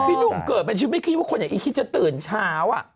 พี่หนุ่มเกิดเป็นชีวิตไม่คิดว่าคนอย่างอีคิดจะตื่นเช้า